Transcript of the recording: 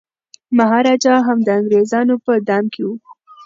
مهاراجا هم د انګریزانو په دام کي و.